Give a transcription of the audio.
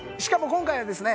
今回はですね